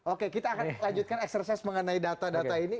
oke kita akan lanjutkan eksersis mengenai data data ini